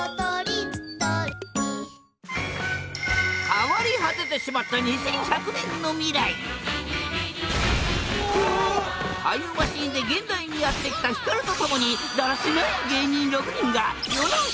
変わり果ててしまった２１００年の未来タイムマシーンで現代にやって来たヒカルと共にだらしない芸人６人が未来人だな。